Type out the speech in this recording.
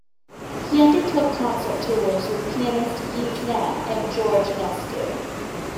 He undertook concert tours with pianist Yves Nat and George Enescu.